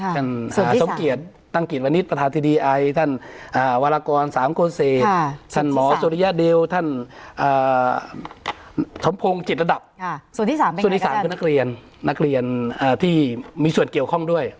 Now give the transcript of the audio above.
ค่ะส่วนที่สามส่วนที่สามคือนักเรียนนักเรียนอ่าที่มีส่วนเกี่ยวข้องด้วย